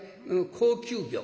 高級魚。